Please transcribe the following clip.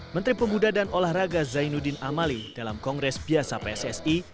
menteri pemuda dan olahraga zainuddin amali dalam kongres biasa pssi